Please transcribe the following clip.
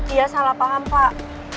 iya salah paham pak